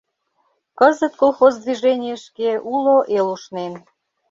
Кызыт колхоз движенийышке уло эл ушнен.